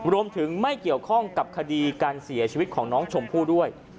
ไม่เกี่ยวข้องกับคดีการเสียชีวิตของน้องชมพู่ด้วย